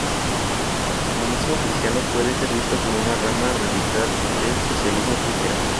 El comunismo cristiano puede ser visto como una rama radical del socialismo cristiano.